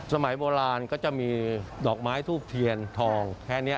สมัยโบราณก็จะมีดอกไม้ทูบเทียนทองแค่นี้